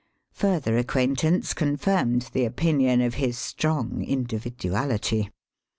Further ac quaintance confirmed the opinion of his strong individuahty.